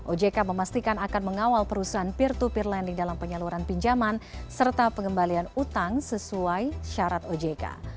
ojk memastikan akan mengawal perusahaan peer to peer lending dalam penyaluran pinjaman serta pengembalian utang sesuai syarat ojk